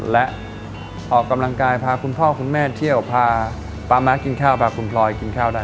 และออกกำลังกายพาคุณพ่อคุณแม่เที่ยวพาป๊าม้ากินข้าวพาคุณพลอยกินข้าวได้